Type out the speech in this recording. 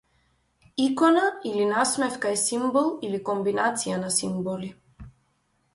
Икона или насмевка е симбол или комбинација на симболи.